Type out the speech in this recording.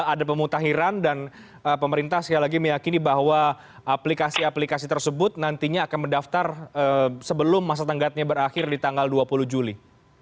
ada pemutahiran dan pemerintah sekali lagi meyakini bahwa aplikasi aplikasi tersebut nantinya akan mendaftar sebelum masa tenggatnya berakhir di tanggal dua puluh juli